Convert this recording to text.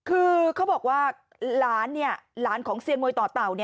คือเขาบอกว่าหลานหลานของเซียมวยต่อเต่า